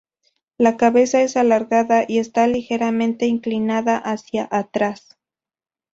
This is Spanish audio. La cabeza es alargada y está ligeramente inclinada hacia atrás.